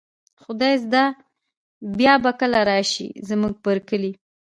خدای زده بیا به کله را شئ، زموږ پر کلي